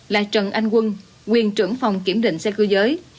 là trần anh quân nguyên trưởng phòng kiểm định xe cơ giới